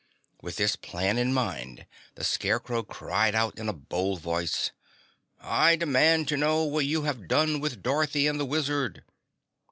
With this plan in mind, the Scarecrow cried out in a bold voice: "I demand to know what you have done with Dorothy and the Wizard!"